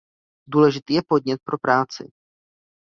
Důležitý je podnět pro práci.